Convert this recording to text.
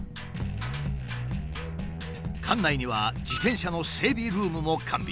館内には自転車の整備ルームも完備。